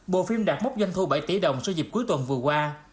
bộ phim đạt mốc doanh thu bảy tỷ đồng sau dịp cuối tuần vừa qua